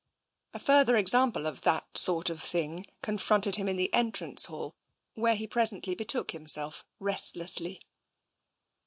A further example of " that sort of thing " con fronted him in the entrance hall, where he presently be took himself restlessly.